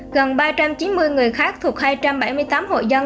gần ba trăm chín mươi người khác thuộc hai trăm bảy mươi tám hội dân